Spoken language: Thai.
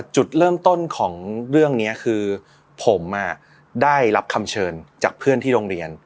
จุดเริ่มต้นของเรื่องนี้คือผมได้รับคำเชิญจากเพื่อนที่โรงเรียน